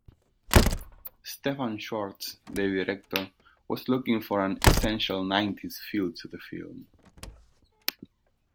Stefan Schwartz, the director, was looking for an essential nineties feel to the film.